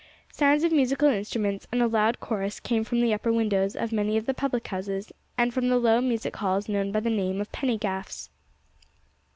Sounds of musical instruments and a loud chorus came from the upper windows of many of the public houses and from the low music halls known by the name of "penny gaffs."